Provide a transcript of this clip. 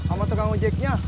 sama tukang ngejeknya